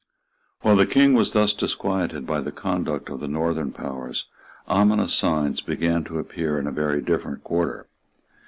While the King was thus disquieted by the conduct of the Northern powers, ominous signs began to appear in a very different quarter.